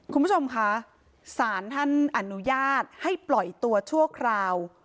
คุณผู้ชมคะสารท่านอนุญาตให้ปล่อยตัวชั่วคราว